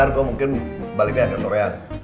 gue mungkin baliknya agak sorean